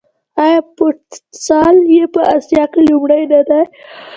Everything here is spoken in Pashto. آیا فوټسال یې په اسیا کې لومړی نه دی؟